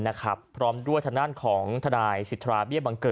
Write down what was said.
นะครับนางลาวัน